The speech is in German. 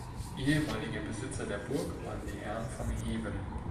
Ehemalige Besitzer der Burg waren die Herren von Hewen.